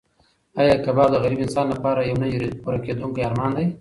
ایا کباب د غریب انسان لپاره یو نه پوره کېدونکی ارمان دی؟